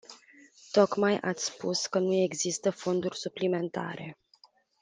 Tocmai ați spus că nu există fonduri suplimentare.